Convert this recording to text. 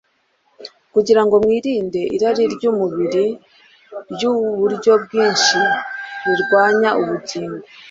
kugira ngo mwirinde irari ry’umubiri ry’uburyo bwinshi rirwanya ubugingo.